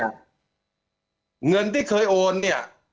เงินที่เคยโอนเนี่ย